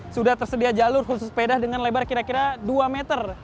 sudah tersedia jalur khusus sepeda dengan lebar kira kira dua meter